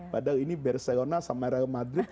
padahal ini barcelona sama real madrid